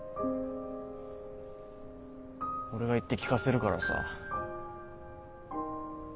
俺が言って聞かせるからさ。